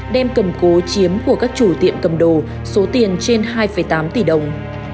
đem cầm cố chiếm của các chủ tiệm cầm đồ số tiền trên hai tám tỷ đồng